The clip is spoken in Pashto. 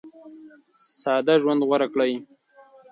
ساده ژوند غوره کړئ.